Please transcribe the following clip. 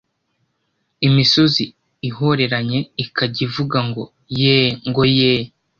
imisozi ihoreranye ikajya ivuga ngo yee ngo yee